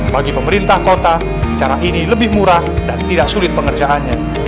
bagi pemerintah kota cara ini lebih murah dan tidak sulit pengerjaannya